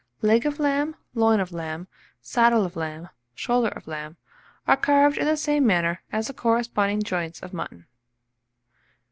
LEG OF LAMB, LOIN OF LAMB, SADDLE OF LAMB, SHOULDER OF LAMB, are carved in the same manner as the corresponding joints of mutton.